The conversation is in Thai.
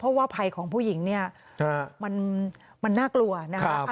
เพราะว่าภัยของผู้หญิงเนี่ยมันน่ากลัวนะคะ